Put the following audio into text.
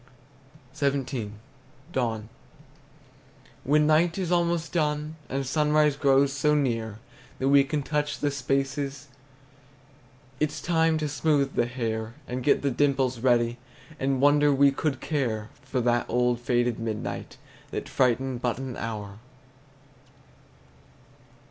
XVII. DAWN. When night is almost done, And sunrise grows so near That we can touch the spaces, It 's time to smooth the hair And get the dimples ready, And wonder we could care For that old faded midnight That frightened but an hour.